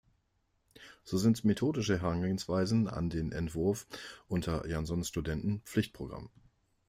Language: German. So sind methodische Herangehensweisen an den Entwurf unter Jansons Studenten Pflichtprogramm.